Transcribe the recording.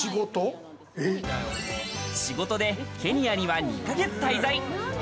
仕事でケニアには２か月滞在。